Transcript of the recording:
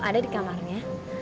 ada di kamarnya